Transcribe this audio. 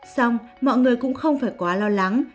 xong mọi người cũng không phải quá lo lắng